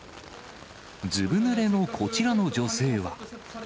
ずぶぬれのこちらの女性は。